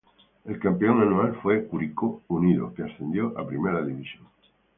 El campeón anual fue Curicó Unido, que ascendió a Primera División.